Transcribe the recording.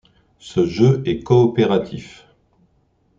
Ce jeu est coopératif.